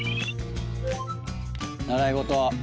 習い事。